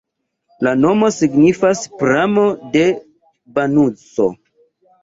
La nomo signifas: pramo-de-banuso.